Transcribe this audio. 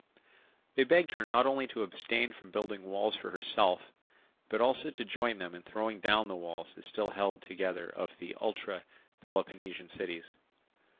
They begged her not only to abstain from building walls for herself, but also to join them in throwing down the walls that still held together of the ultra Peloponnesian cities.